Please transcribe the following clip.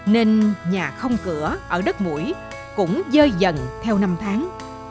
nên nhà không cửa ở đất mũi cũng rơi dần theo năm tháng